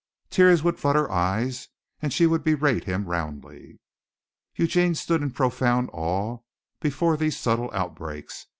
Tears would flood her eyes and she would berate him roundly. Eugene stood in profound awe before these subtle outbreaks.